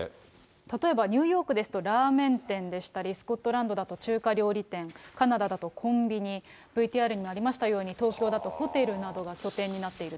例えばニューヨークですと、ラーメン店でしたり、スコットランドだと中華料理店、カナダだとコンビニ、ＶＴＲにもありましたように、東京だとホテルなどが拠点になっていると。